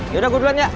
yaudah gua duluan ya